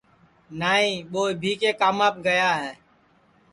نائی ٻو ابھی کے کاماپ گیا ہے